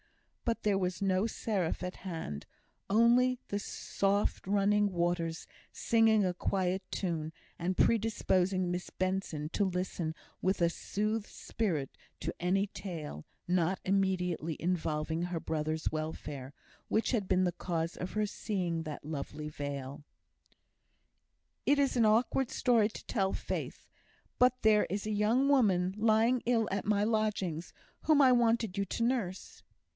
but there was no seraph at hand, only the soft running waters singing a quiet tune, and predisposing Miss Benson to listen with a soothed spirit to any tale, not immediately involving her brother's welfare, which had been the cause of her seeing that lovely vale. "It is an awkward story to tell, Faith, but there is a young woman lying ill at my lodgings whom I wanted you to nurse."